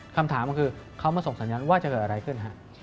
คำถามก็คือเขามาส่งสัญญาณว่าจะเกิดอะไรขึ้นฮะ